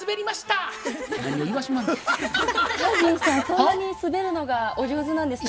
そんなに滑るのがお上手なんですね。